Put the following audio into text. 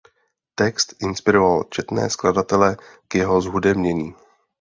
Text inspiroval četné skladatele k jeho zhudebnění.